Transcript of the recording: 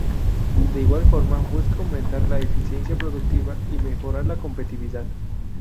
De igual forma, busca aumentar la eficiencia productiva y mejorar la competitividad.